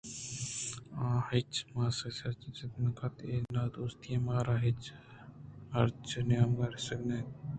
آاچ ماسک سُچیت ءُضد کنت اے نادوستی مارا چہ ہرچ نیمگءَ رسگ ءَ اِنت